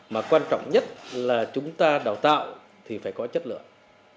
mà quan trọng nhất là chúng ta đào tạo thì phải có chất lượng